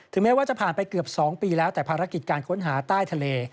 แม้ว่าจะผ่านไปเกือบ๒ปีแล้วแต่ภารกิจการค้นหาใต้ทะเล